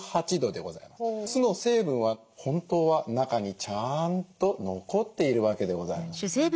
酢の成分は本当は中にちゃんと残っているわけでございます。